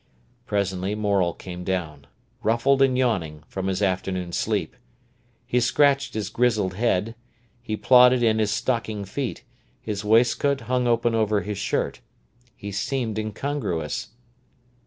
Presently Morel came down, ruffled and yawning, from his afternoon sleep. He scratched his grizzled head, he plodded in his stocking feet, his waistcoat hung open over his shirt. He seemed incongruous.